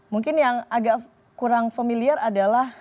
mungkin yang agak kurang familiar adalah